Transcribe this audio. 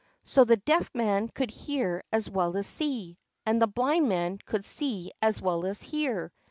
So the Deaf Man could hear as well as see, and the Blind Man could see as well as hear!